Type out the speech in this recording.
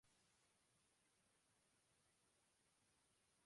優しくされるのが怖くて、わたしは逃げた。